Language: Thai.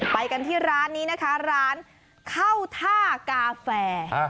ไปกันที่ร้านนี้นะคะร้านเข้าท่ากาแฟ